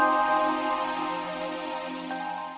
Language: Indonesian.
sampai jumpa lagi